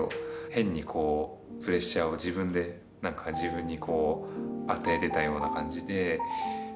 変にプレッシャーを自分で自分に与えてたような感じで。